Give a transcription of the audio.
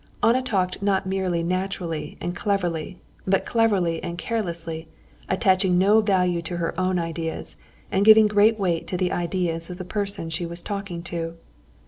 Anna talked not merely naturally and cleverly, but cleverly and carelessly, attaching no value to her own ideas and giving great weight to the ideas of the person she was talking to.